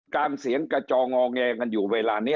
เสียงกระจองงอแงกันอยู่เวลานี้